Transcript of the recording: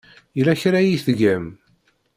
Yella kra ay tgam?